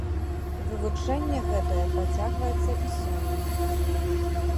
Вывучэнне гэтае працягваецца і сёння.